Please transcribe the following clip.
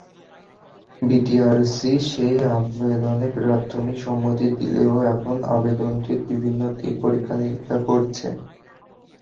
BTRC সেই আবদনে প্রাথমিক সম্মতি দিলেও এখন আবেদনটির বিভিন্ন দিক পরীক্ষা-নিরীক্ষা করছে।